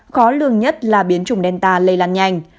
khó lường nhất là biến chủng delta lây lan nhanh